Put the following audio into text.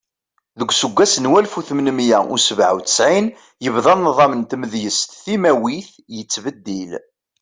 Deg useggas n walef u tmenmiya u sebɛa U settin, yebda nḍam n tmedyazt timawit yettbeddil.